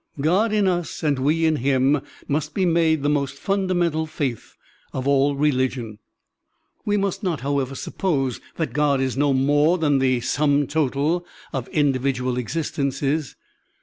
*'God in us and we in him,'* must be made the most fundamental faith of all religion. We must not, however, suppose that God is no more than the sum total of individual exist ences.